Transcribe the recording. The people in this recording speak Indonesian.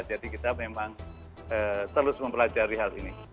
jadi kita memang terus mempelajari hal ini